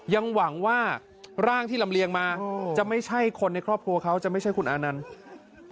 ยังหวังว่าร่างที่ลำเลียงมาจะไม่ใช่คนในครอบครัวเขาจะไม่ใช่คุณอานันต์